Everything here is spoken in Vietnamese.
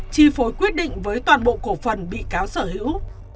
chi phối quyết định với toàn bộ cổ phần bị cáo sở hữu